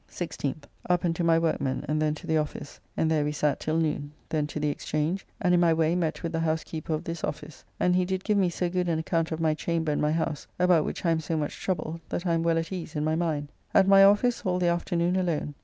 16th. Up and to my workmen, and then to the office, and there we sat till noon; then to the Exchange, and in my way met with the housekeeper of this office, and he did give me so good an account of my chamber in my house about which I am so much troubled that I am well at ease in my mind. At my office all the afternoon alone.